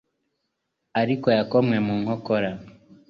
ariko yakomwe mu nkokora